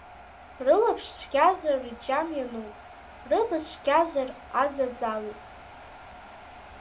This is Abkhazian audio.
Рылаԥш цәгьазар рџьам иануп, рыбыз цәгьазар аӡаӡ алоуп.